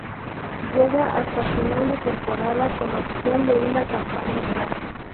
Llega hasta final de temporada, con opción a una campaña más.